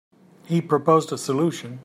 He proposed a solution.